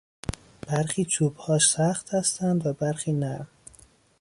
برخی چوبها سخت هستند و برخی نرم.